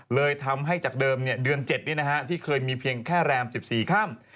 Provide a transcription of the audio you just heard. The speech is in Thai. เลยทำให้จากเดิมเนี่ยเดือน๗นี้นะฮะที่เคยมีเพียงแค่แรม๑๔ค่ำ